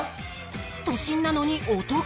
都心なのにお得